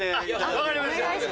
分かりました。